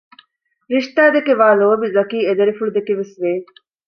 ރިޝްދާ ދެކެ ވާ ލޯބި ޒަކީ އެދަރިފުޅުދެކެވެސް ވެ